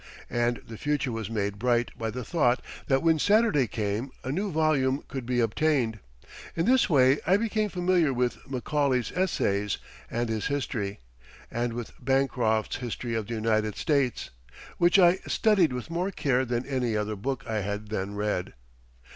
And the future was made bright by the thought that when Saturday came a new volume could be obtained. In this way I became familiar with Macaulay's essays and his history, and with Bancroft's "History of the United States," which I studied with more care than any other book I had then read.